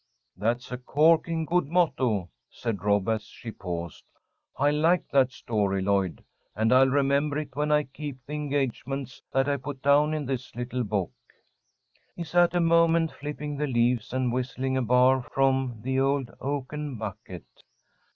'" "That's a corking good motto," said Rob as she paused. "I like that story, Lloyd, and I'll remember it when I keep the engagements that I put down in this little book." He sat a moment, flipping the leaves and whistling a bar from "The Old Oaken Bucket."